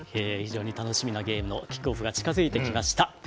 楽しみなゲームのキックオフが近づいてきました。